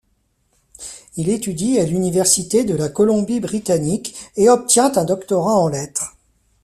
Il étudie à l'Université de la Colombie-Britannique et obtient un doctorat en lettres.